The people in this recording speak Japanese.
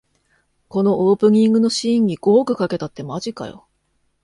このオープニングのシーンに五億かけたってマジかよ